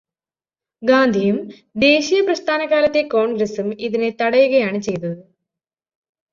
ഗാന്ധിയും ദേശീയപ്രസ്ഥാനകാലത്തെ കോണ്ഗ്രസും ഇതിനെ തടയുകയാണു ചെയ്തത്.